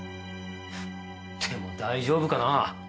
でも大丈夫かなあ。